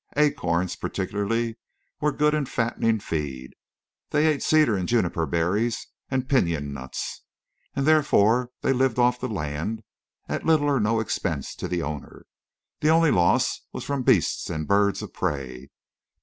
Acorns, particularly, were good and fattening feed. They ate cedar and juniper berries, and pinyon nuts. And therefore they lived off the land, at little or no expense to the owner. The only loss was from beasts and birds of prey.